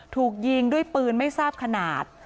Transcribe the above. ถูกยิงด้วยปืนไม่ทราบขนาด